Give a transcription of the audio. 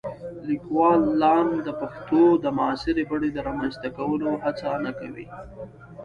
لیکوالان د پښتو د معاصرې بڼې د رامنځته کولو هڅه نه کوي.